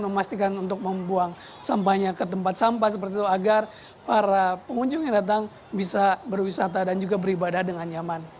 memastikan untuk membuang sampahnya ke tempat sampah seperti itu agar para pengunjung yang datang bisa berwisata dan juga beribadah dengan nyaman